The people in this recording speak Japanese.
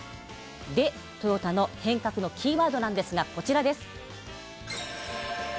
でトヨタの変革のキーワードなんですがこちらです。